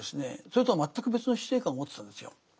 それとは全く別の死生観を持ってたんですよ。